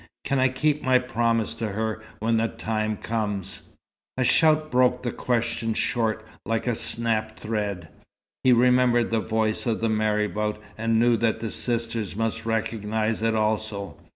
Can I keep my promise to her, when the time comes!" A shout broke the question short, like a snapped thread. He remembered the voice of the marabout, and knew that the sisters must recognize it also.